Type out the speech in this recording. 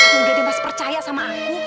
tunggu deh mas percaya sama aku